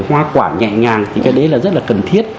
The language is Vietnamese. hoa quả nhẹ nhàng thì cái đấy là rất là cần thiết